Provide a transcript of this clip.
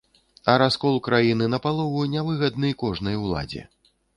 А раскол краіны напалову нявыгадны кожнай уладзе.